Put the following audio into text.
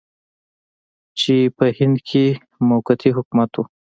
چې په هند کې موقتي حکومت و.